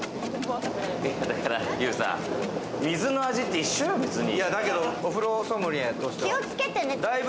だからＹＯＵさん、水の味って一緒よ、別に。